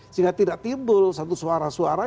sehingga tidak timbul satu suara suara